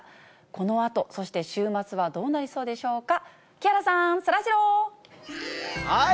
このあと、そして週末はどうなりそうでしょうか。